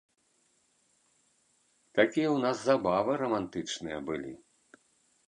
Такія ў нас забавы рамантычныя былі.